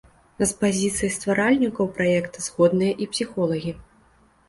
З пазіцыяй стваральнікаў праекта згодныя і псіхолагі.